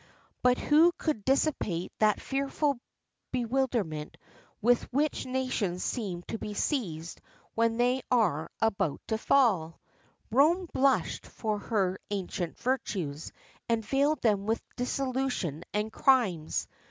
[XXXIV 15] But who could dissipate that fearful bewilderment with which nations seem to be seized when they are about to fall? Rome blushed for her ancient virtues, and veiled them with dissolution and crimes.